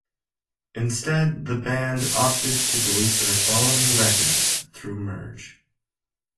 Instead, the band opted to release their following records through Merge.